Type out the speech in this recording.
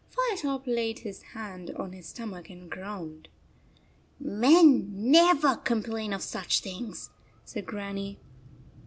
Firetop laid his hand on his stomach and groaned. "Men never complain of such things," said Grannie.